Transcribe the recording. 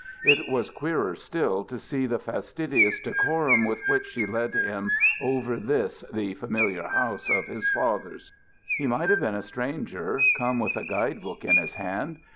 It was queerer still to see the fastidious decorum with which she led him over this, the familiar house of his fathers. He might have been a stranger, come with a guide book in his hand.